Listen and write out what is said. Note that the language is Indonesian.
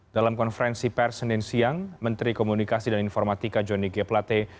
dalam konferensi per senin siang menteri komunikasi dan informatika johnny g plate